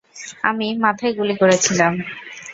আমি মাথায় গুলি করেছিলাম।